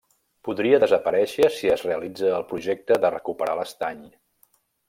Podria desaparèixer si es realitza el projecte de recuperar l'estany.